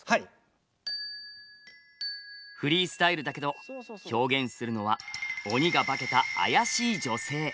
フリースタイルだけど表現するのは鬼が化けた怪しい女性！